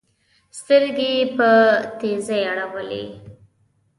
سترګي یې په تېزۍ اړولې